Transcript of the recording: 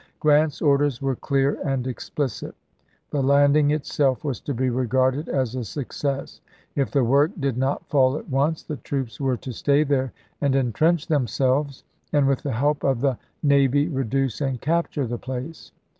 Grant's chap, iil orders were clear and explicit; the landing itself was to be regarded as a success ; if the work did not fall at once, the troops were to stay there and intrench themselves, and, with the help of the navy, reduce and capture the place.